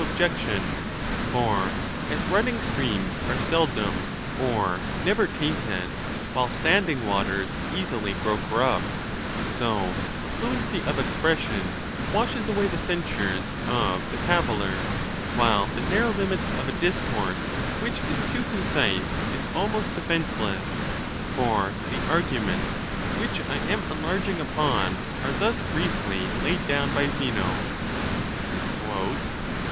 • 263 objection; for as running streams are seldom or never tainted, while standing waters easily grow corrupt, so a fluency of expression washes away the censures of the cav iller, while the narrow limits of a discourse which is too concise is almost defenceless ; for the arguments which I am enlarging upon are thus briefly laid down by Zeno : VIII.